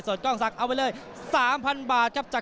เป็น้องร้ายสติฟ้า